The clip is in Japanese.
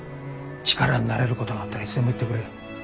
力になれることがあったらいつでも言ってくれ。